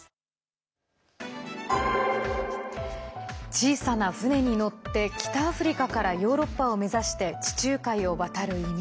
小さな船に乗って北アフリカからヨーロッパを目指して地中海を渡る移民。